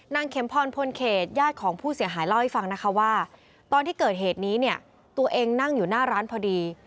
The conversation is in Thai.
เข็มพรพลเขตญาติของผู้เสียหายเล่าให้ฟังนะคะว่าตอนที่เกิดเหตุนี้เนี่ยตัวเองนั่งอยู่หน้าร้านพอดี